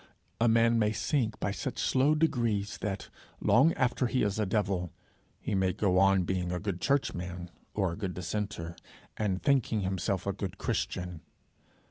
A man may sink by such slow degrees that, long after he is a devil, he may go on being a good churchman or a good dissenter, and thinking himself a good Christian.